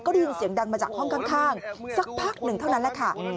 ได้ยินเสียงดังมาจากห้องข้างสักพักหนึ่งเท่านั้นแหละค่ะ